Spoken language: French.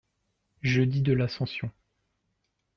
jeudi de l'Ascension.